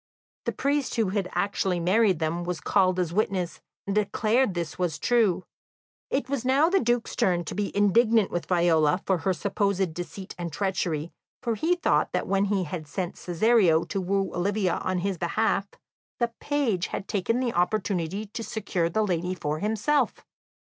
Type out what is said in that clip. The priest who had actually married them was called as witness, and declared this was true. It was now the Duke's turn to be indignant with Viola for her supposed deceit and treachery, for he thought that when he had sent Cesario to woo Olivia on his behalf, the young page had taken the opportunity to secure the lady for himself.